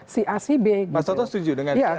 si acb pak soto setuju dengan itu